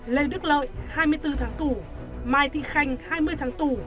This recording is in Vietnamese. lê đức lợi hai mươi bốn tháng tù mai thị khanh hai mươi tháng tù